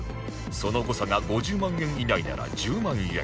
その誤差が５０万円以内なら１０万円